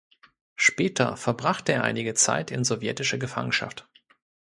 Später verbrachte er einige Zeit in sowjetischer Gefangenschaft.